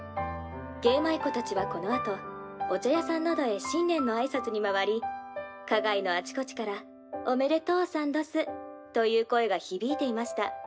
芸舞妓たちはこのあとお茶屋さんなどへ新年のあいさつに回り花街のあちこちから『おめでとうさんどす』という声がひびいていました」。